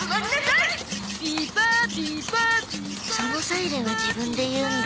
そのサイレンは自分で言うんだ。